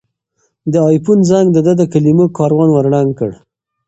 د آیفون زنګ د ده د کلمو کاروان ور ړنګ کړ.